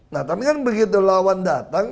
nah tapi kan begitu lawan datang